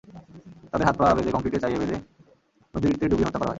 তাঁদের হাত-পা বেঁধে কংক্রিটের চাঁইয়ে বেঁধে নদীতে ডুবিয়ে হত্যা করা হয়।